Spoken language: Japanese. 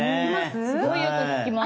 すごいよく聞きます。